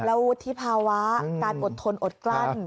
แล้ววุฒิภาวะการอดทนอดกลั้น